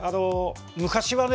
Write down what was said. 昔はね